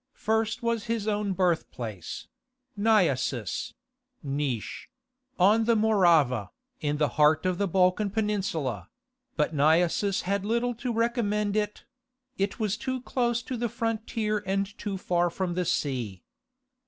First was his own birth place—Naissus (Nisch) on the Morava, in the heart of the Balkan Peninsula; but Naissus had little to recommend it: it was too close to the frontier and too far from the sea.